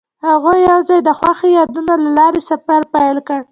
هغوی یوځای د خوښ یادونه له لارې سفر پیل کړ.